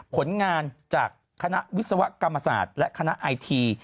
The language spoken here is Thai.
ผลงานจากคณะวิศวกรรมศาสตร์และคณะไอที